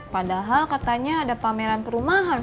padahal katanya ada pameran perumahan